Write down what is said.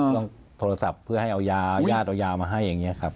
ต้องโทรศัพท์เพื่อให้เอายายาดเอายามาให้อย่างนี้ครับ